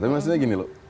tapi maksudnya gini loh